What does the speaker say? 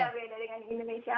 beda beda dengan indonesia